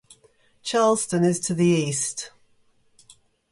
Charleston is to the east.